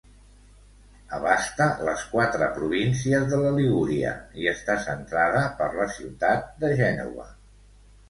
Abasta les quatre províncies de la Ligúria i està centrada per la ciutat de Gènova.